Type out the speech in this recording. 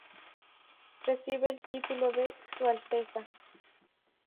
Recibe el título de "Su Alteza".